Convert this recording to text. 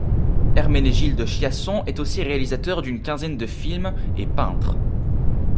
Herménégilde Chiasson est aussi réalisateur d'une quinzaine de films et peintre.